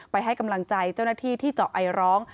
ให้กำลังใจเจ้าหน้าที่ที่เจาะไอร้อง